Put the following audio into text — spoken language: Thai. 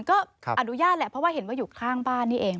ก็อนุญาตแหละเพราะว่าเห็นว่าอยู่ข้างบ้านนี่เอง